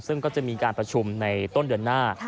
ซึ่งก็จะมีการประชุมในต้นเดือนหน้า